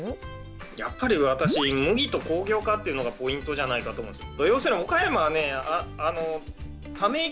やっぱり私麦と工業化っていうのがポイントじゃないかと思うんです。